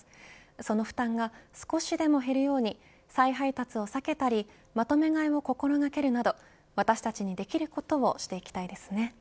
その負担が少しでも減るように再配達を避けたりまとめ買いを心掛けるなど私たちにできることをしていきたいですね。